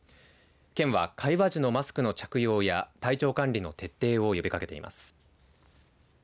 県は会話時のマスクの着用や体調管理の徹底を呼びかけています。